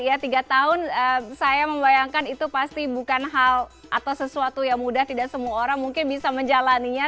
ya tiga tahun saya membayangkan itu pasti bukan hal atau sesuatu yang mudah tidak semua orang mungkin bisa menjalannya